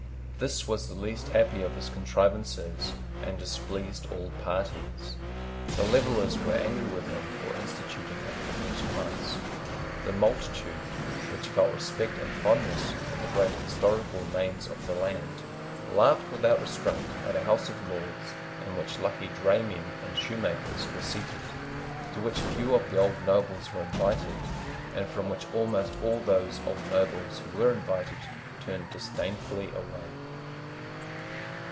This was the least happy of his contrivances, and displeased all parties. The Levellers were angry with him for instituting a privileged class. The multitude, which felt respect and fondness for the great historical names of the land, laughed without restraint at a House of Lords, in which lucky draymen and shoemakers were seated, to which few of the old nobles were invited, and from which almost all those old nobles who were invited turned disdainfully away.